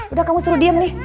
udah kamu suruh diem nih